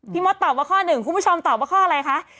พี่มศตอบว่าข้อ๑คุณผู้ชมตอบว่าข้ออะไรคะ